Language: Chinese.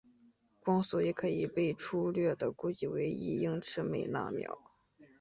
光速也可以被初略地估计为一英尺每纳秒。